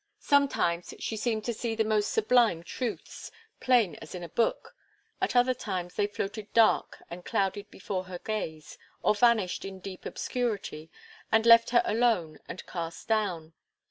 Sometimes she seemed to see the most sublime truths, plain as in a book; at other times, they floated dark and clouded before her gaze, or vanished in deep obscurity, and left her alone and cast down.